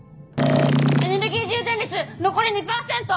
エネルギー充電率残り２％！